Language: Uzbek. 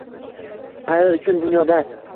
Ayol uchun dunyoda